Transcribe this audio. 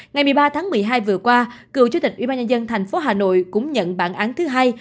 ngày một mươi ba tháng một mươi hai vừa qua cựu chủ tịch ubnd tp hà nội cũng nhận bản án thứ hai